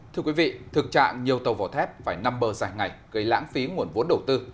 thưa quý vị thực trạng nhiều tàu vỏ thép phải nằm bờ dài ngày gây lãng phí nguồn vốn đầu tư